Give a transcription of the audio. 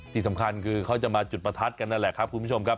ที่สำคัญคือเขาจะมาจุดประทัดกันนั่นแหละครับคุณผู้ชมครับ